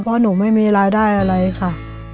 เพราะหนูไม่มีรายได้อะไรค่ะ